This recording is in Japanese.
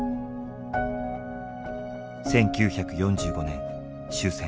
１９４５年終戦。